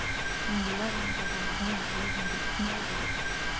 مِنْ دِيَارِهِمْ تَظَاهَرُونَ عَلَيْهِمْ بِالْإِثْمِ وَالْعُدْوَانِ